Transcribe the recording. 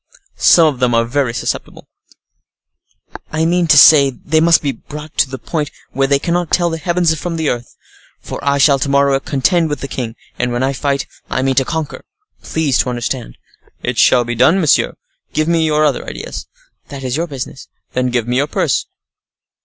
some of them are very susceptible." "I mean to say they must be brought to the point where they cannot tell the heavens from the earth; for I shall to morrow contend with the king; and when I fight I mean to conquer—please to understand." "It shall be done, monsieur. Give me your other ideas." "That is your business." "Then give me your purse."